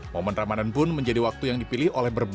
momen ramadan pun menjadi waktu yang dipilih oleh berbagai